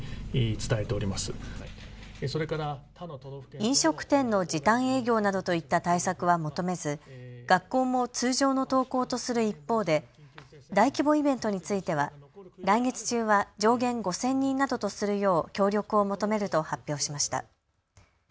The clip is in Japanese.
飲食店の時短営業などといった対策は求めず学校も通常の登校とする一方で大規模イベントについては来月中は上限５０００人などとするよう協力を求めると発表しました。